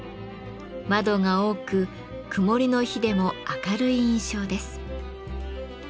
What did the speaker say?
窓が多く曇りの日でも明るい印象です。